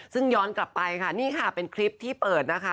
ซึ่งย้อนกลับไปค่ะนี่ค่ะเป็นคลิปที่เปิดนะคะ